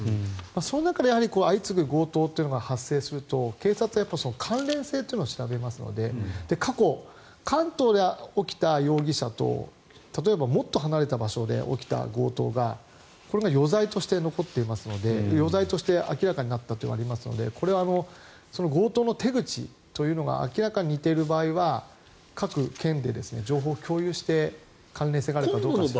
その中で相次ぐ強盗というのが発生すると警察は関連性というのを調べますので過去、関東で起きた容疑者と例えばもっと離れた場所で起きた強盗がこれが余罪として残っていますので余罪として明らかになったということがありますのでこれは強盗の手口というのが明らかに似ている場合は各県で情報を共有して関連性があるかどうか調べますね。